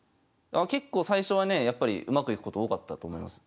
結構最初はねやっぱりうまくいくこと多かったと思います。